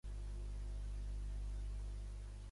I un dia amb mi em va començar a parlar.